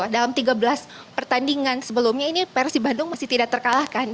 dalam tiga belas pertandingan sebelumnya ini persib bandung masih tidak terkalahkan